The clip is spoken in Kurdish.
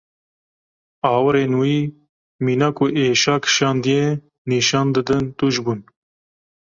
Awirên wî mîna ku êşa kişandiye nîşan didin tûj bûn.